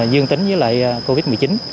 dương tính với lại covid một mươi chín